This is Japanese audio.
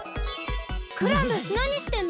クラムなにしてんの？